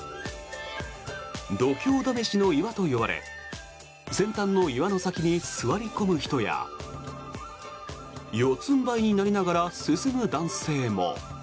度胸試しの岩と呼ばれ先端の岩の先に座り込む人や四つんばいになりながら進む男性も。